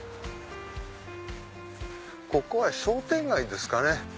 ここは商店街ですかね。